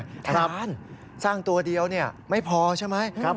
ทานสร้างตัวเดียวไม่พอใช่ไหม